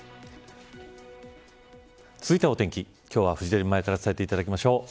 続いてはお天気、今日はフジテレビ前から伝えていただきましょう。